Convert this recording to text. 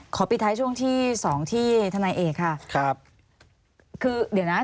ขอปิดท้ายช่วงที่๒ที่ธนายเอกครับคือเดี๋ยวนะ